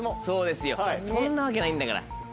そうですよそんなわけないんだから。